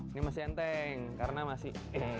ini masih enteng karena masih